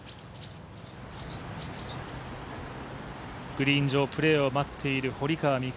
グリーン上、プレーを待っている堀川未来